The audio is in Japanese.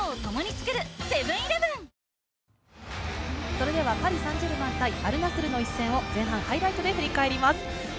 それではパリ・サンジェルマン対アルナスルの一戦を前半ハイライトで振り返ります。